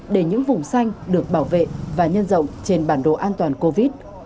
để những vùng xanh được bảo vệ và nhân rộng trên bản đồ an toàn covid